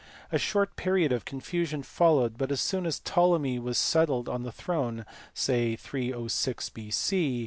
A short period of confusion followed, but as soon as Ptolemy was settled on the throne, say about 306 B.C.